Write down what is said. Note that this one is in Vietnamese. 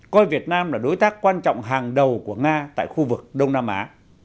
coi việt nam là đối tác quan trọng hàng đầu của nga tại khu vực đông nam á